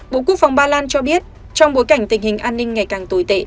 bộ quốc phòng ba lan cho biết trong bối cảnh tình hình an ninh ngày càng tồi tệ